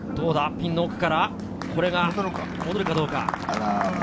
ピンの奥から戻るかどうか。